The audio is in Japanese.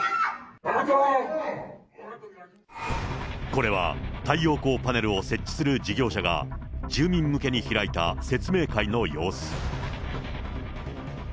これは、太陽光パネルを設置する事業者が、住民向けに開いた説明会の様子。